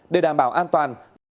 để đảm bảo an toàn